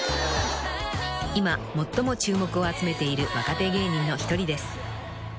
［今最も注目を集めている若手芸人の一人です］